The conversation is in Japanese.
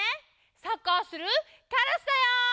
サッカーするカラスだよ！